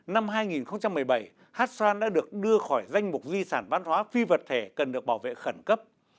năm hai nghìn một mươi bảy hét xoan đã được đưa khỏi danh mục di sản văn hóa phi vật thể cần được bảo vệ khẩn cấp